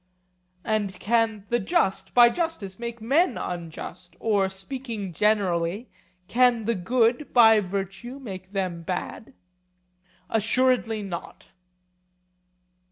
And can the just by justice make men unjust, or speaking generally, can the good by virtue make them bad? Assuredly not.